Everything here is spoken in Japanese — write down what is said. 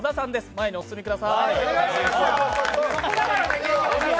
前にお進みください。